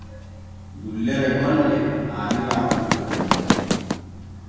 Dullere golle haanira pullo dimo.